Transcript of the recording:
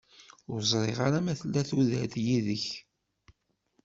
Ur ẓriɣ ara ma tella tudert yid-k.